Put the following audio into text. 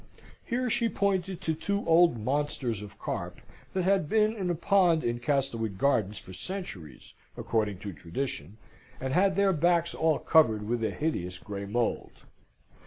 (Here she pointed to two old monsters of carp that had been in a pond in Castlewood gardens for centuries, according to tradition, and had their backs all covered with a hideous grey mould.)